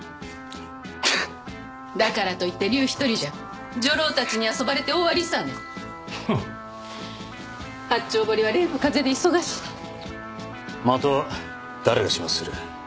プッだからといってリュウ１人じゃ女郎たちに遊ばれて終わりさねふん八丁堀は例の風邪で忙しい的は誰が始末する？